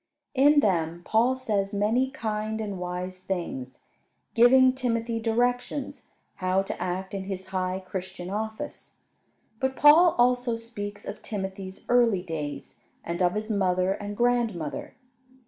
In them Paul says many kind and wise things, giving Timothy directions how to act in his high Christian office. But Paul also speaks of Timothy's early days, and of his mother and grandmother.